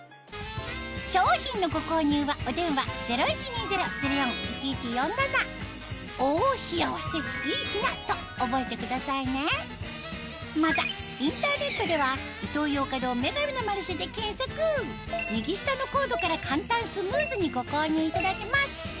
商品のご購入はお電話０１２０−０４−１１４７と覚えてくださいねまたインターネットでは右下のコードから簡単スムーズにご購入いただけます